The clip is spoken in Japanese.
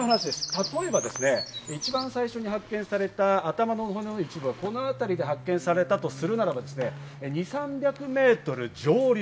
例えばですね、一番最初に発見された頭の骨の一部はこのあたりで発見されたとするならば、２３００メートル上流。